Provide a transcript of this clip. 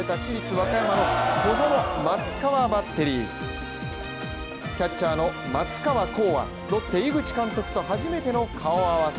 和歌山松川・小園バッテリーキャッチャーの松川虎生はロッテ井口監督と初めての顔合わせ。